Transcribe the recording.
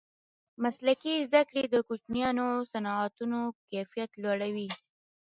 مسلکي زده کړې د کوچنیو صنعتونو کیفیت لوړوي.